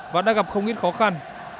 và đã gặp không ít khó khăn